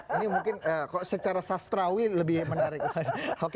ini mungkin kok secara sastrawi lebih menarik lagi